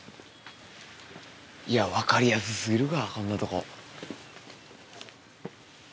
いや分かりやす過ぎるかこんなとこ。